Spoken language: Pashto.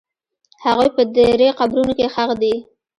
هغوی په درې قبرونو کې ښخ دي.